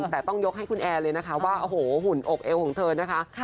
แต่ต้องยกให้คุณแอร์เลยนะคะว่าโอ้โหหุ่นอกเอวของเธอนะคะ